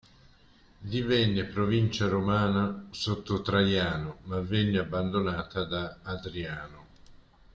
Divenne provincia romana sotto Traiano, ma venne abbandonata da Adriano.